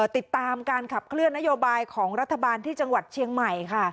ติดตามการขับเคลื่อนนโยบายของรัฐบาลที่จังหวัดเชียงใหม่ค่ะ